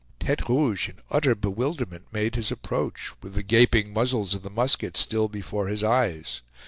Tete Rouge in utter bewilderment made his approach, with the gaping muzzles of the muskets still before his eyes.